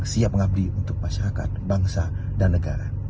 siap mengabdi untuk masyarakat bangsa dan negara